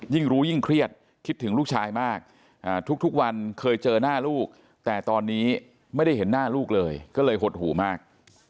ยิ่งรู้ยิ่งเครียดคิดถึงลูกชายมากทุกวันเคยเจอหน้าลูกแต่ตอนนี้ไม่ได้เห็นหน้าลูกเลยก็เลยหดหูมาก